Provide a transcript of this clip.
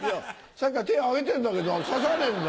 さっきから手挙げてんだけど指さねえんだよ。